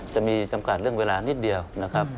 จำกัดเรื่องเวลานิดเดียวนะครับ